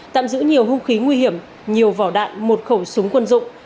tạm giữ nhiều hung khí nguy hiểm nhiều vỏ đạn một khẩu súng quân dụng